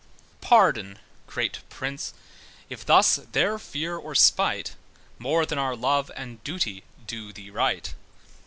Pardon, great Prince, if thus their fear of spite More than our love and duty do thee right.